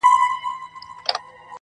ما درکړي تا ته سترګي چي مي ووینې پخپله!!